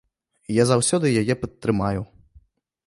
Я заўсёды яе падтрымаю.